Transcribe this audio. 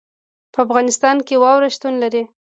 په افغانستان کې واوره شتون لري.